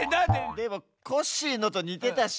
でもコッシーのとにてたし。